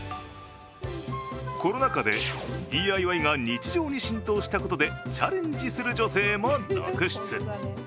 コロナ禍でＤＩＹが日常に浸透したことでチャレンジする女性も続出。